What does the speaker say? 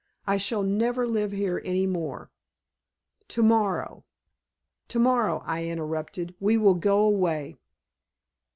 I shall never live here any more. To morrow " "To morrow," I interrupted, "we will go away."